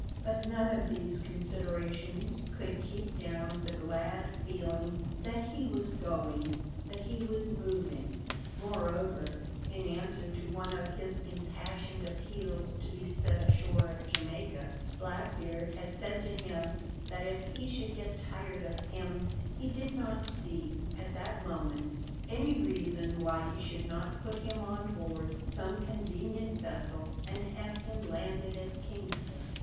But none of these considerations could keep down the glad feeling that he was going, that he was moving. Moreover, in answer to one of his impassioned appeals to be set ashore at Jamaica, Blackbeard had said to him that if he should get tired of him he did not see, at that moment, any reason why he should not put him on board some convenient vessel and have him landed at Kingston.